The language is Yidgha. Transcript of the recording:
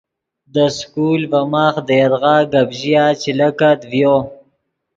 دے سکول ڤے ماخ دے یدغا گپ ژیا چے لکت ڤیو